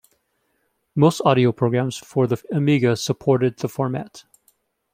Most audio programs for the Amiga supported the format.